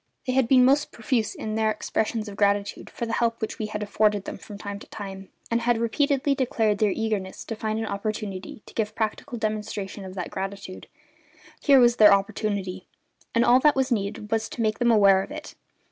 They had been most profuse in their expressions of gratitude for the help which we had afforded them from time to time, and had repeatedly declared their eagerness to find an opportunity to give practical demonstration of that gratitude: here was their opportunity; and all that was needed was to make them aware of it.